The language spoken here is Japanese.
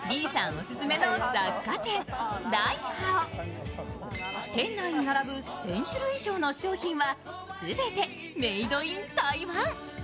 オススメの雑貨店、ライハオ店内に並ぶ１０００種類以上の商品は全てメイドイン台湾。